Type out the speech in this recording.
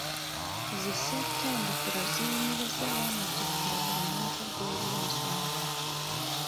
Zi ssettendekero ziyimirizaawo amattikira buli mwaka gw'ebyensoma.